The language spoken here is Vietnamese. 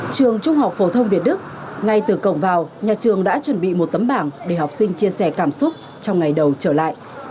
trường trung học phổ thông việt đức ngay từ cổng vào nhà trường đã chuẩn bị một tấm bảng để học sinh chia sẻ cảm xúc trong ngày đầu trở lại